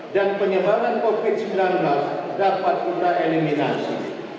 dan penyebaran covid sembilan belas dapat kita eliminasi